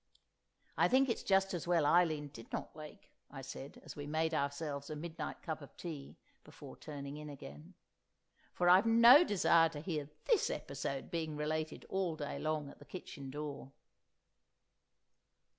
"I think it's just as well Eileen did not wake," I said, as we made ourselves a midnight cup of tea before turning in again, "for I've no desire to hear this episode being related all day long at the kitchen door!"